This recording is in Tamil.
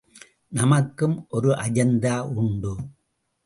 நமக்கும் ஒரு அஜந்தா உண்டு.